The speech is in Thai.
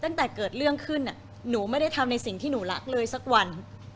ตั้งแต่เกิดเรื่องขึ้นหนูไม่ได้ทำในสิ่งที่หนูรักเลยสักวัน